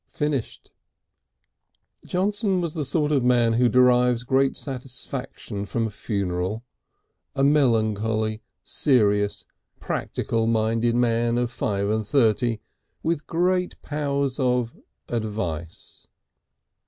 Finished.... Johnson was the sort of man who derives great satisfaction from a funeral, a melancholy, serious, practical minded man of five and thirty, with great powers of advice.